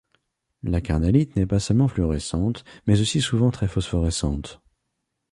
La carnallite n'est pas seulement fluorescente, mais aussi souvent très phosphorescente.